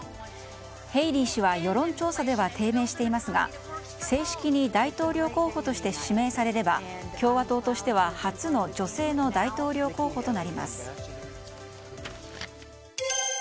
ヘイリー氏は世論調査では低迷していますが正式に大統領候補として指名されれば共和党としては初の女性の大統領候補となります。